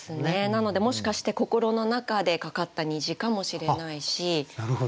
なのでもしかして心の中でかかった虹かもしれないし。